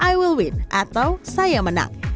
i will win atau saya menang